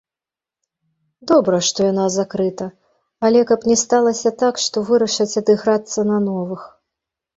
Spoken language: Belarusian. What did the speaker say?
Добра, што яна закрыта, але, каб не сталася так, што вырашаць адыграцца на новых.